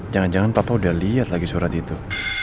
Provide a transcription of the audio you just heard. jangan jangan papa udah lihat lagi surat itu